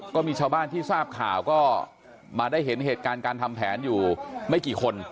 ก็มีชาวบ้านที่ทราบข่าวก็มาได้เห็นเหตุการณ์การทำแผนอยู่ไม่กี่คน